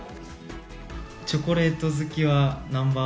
チョコレート好きはナンバー